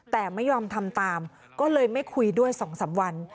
แต่ไม่ยอมทำตามก็เลยไม่คุยด้วย๒๓วัน